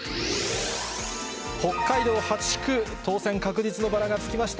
北海道８区、当選確実のバラがつきました。